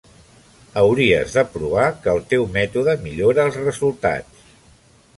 Hauries de provar que el teu mètode millora els resultats.